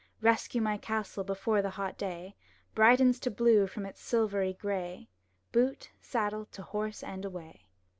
Rescue my castle before the hot day Brightens to blue from its silvery gray! Booty saddle, to horse, and away!